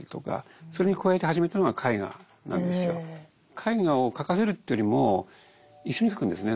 絵画を描かせるというよりも一緒に描くんですね